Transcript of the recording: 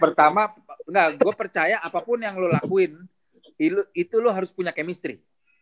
pertama enggak gua percaya apapun yang lu lakuin itu lu harus punya chemistry